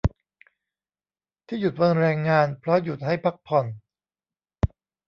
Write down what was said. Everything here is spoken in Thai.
ที่หยุดวันแรงงาน เพราะหยุดให้พักผ่อน